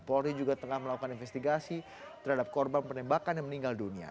polri juga tengah melakukan investigasi terhadap korban penembakan yang meninggal dunia